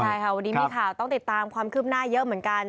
ใช่ค่ะวันนี้มีข่าวต้องติดตามความคืบหน้าเยอะเหมือนกัน